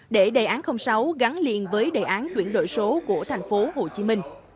để đề án sáu gắn liền với đề án chuyển đổi số của tp hcm